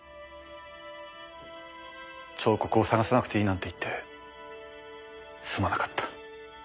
彫刻を探さなくていいなんて言ってすまなかった。